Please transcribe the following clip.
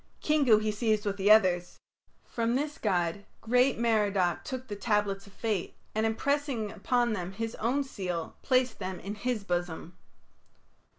Kingu he seized with the others. From this god great Merodach took the tablets of fate, and impressing upon them his own seal, placed them in his bosom.